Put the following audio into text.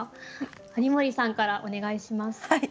有森さんからお願いします。